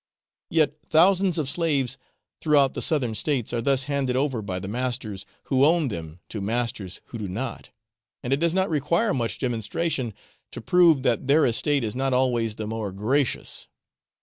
Yet thousands of slaves throughout the southern states are thus handed over by the masters who own them to masters who do not; and it does not require much demonstration to prove that their estate is not always the more gracious.